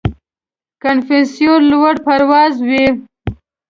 • کنفوسیوس لوړ پروازه و.